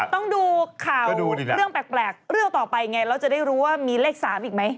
ต้องดูข่าวเรื่องแปลกเรื่องต่อไปไงเราจะได้รู้ว่ามีเลข๓อีกไหม